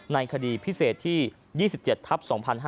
ในคดีพิเศษที่๒๗ทัพ๒๕๕๙